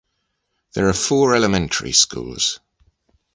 There are four elementary schools.